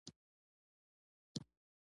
د دوی په مقابل کې نورې ډلې.